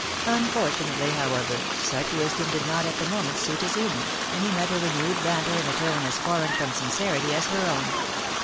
Unfortunately, however, such wisdom did not at the moment suit his humour, and he met her renewed banter in a tone as foreign from sincerity as her own.